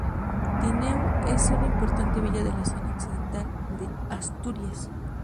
Tineo es una importante villa de la zona occidental de Asturias.